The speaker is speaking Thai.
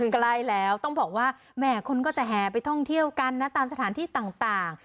ใกล้แล้วต้องบอกว่าแหมคนก็จะแห่ไปท่องเที่ยวกันนะตามสถานที่ต่าง